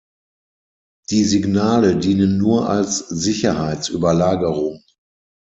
Die Signale dienen nur als Sicherheits-Überlagerung.